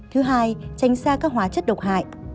thứ hai tránh xa các hóa chất độc hại